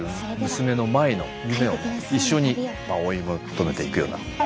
娘の舞の夢を一緒に追い求めていくような。